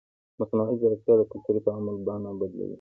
مصنوعي ځیرکتیا د کلتوري تعامل بڼه بدلوي.